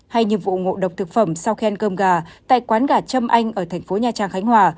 hai nhiệm vụ ngộ độc thực phẩm sau khi ăn cơm gà tại quán gà châm anh ở tp nha trang khánh hòa